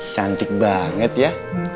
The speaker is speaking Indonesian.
cantik banget ya